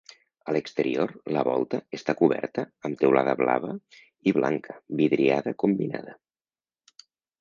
A l'exterior la volta està coberta amb teulada blava i blanca vidriada combinada.